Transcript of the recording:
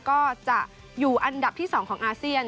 ก็จะเมื่อวันนี้ตอนหลังจดเกม